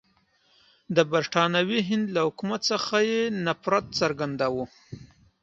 د برټانوي هند له حکومت څخه یې نفرت څرګندوه.